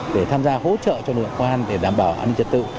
để tham gia hỗ trợ cho lực lượng công an để đảm bảo an ninh trật tự